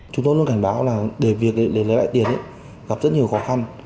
chúng tôi luôn cảnh báo là để việc để lấy lại tiền gặp rất nhiều khó khăn